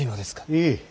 いい。